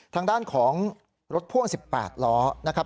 ทางด้านของรถพ่วง๑๘ล้อนะครับ